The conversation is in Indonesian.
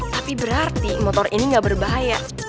tapi berarti motor ini nggak berbahaya